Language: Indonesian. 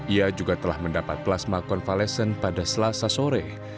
ia juga telah mendapat plasma konvalesen pada selasa sore